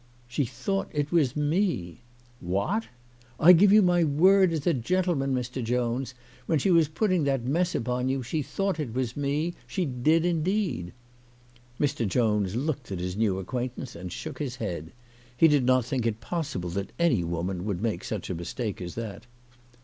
" She thought it was me !" "What!" " I give you my word as a gentleman, Mr. Jones. When she was putting that mess upon you she thought it was me ! She did, indeed." Mr. Jones looked at his new acquaintance and shook his head. He did not think it possible that any woman would make such a mistake as that.